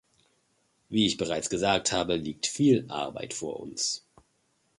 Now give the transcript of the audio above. Wie ich bereits gesagt habe liegt viel Arbeit vor uns.